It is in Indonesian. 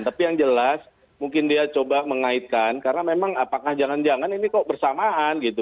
tapi yang jelas mungkin dia coba mengaitkan karena memang apakah jangan jangan ini kok bersamaan gitu